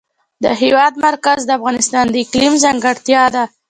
د هېواد مرکز د افغانستان د اقلیم ځانګړتیا ده.